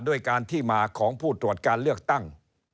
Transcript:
ด้วยการที่มาของผู้ตรวจการเลือกตั้ง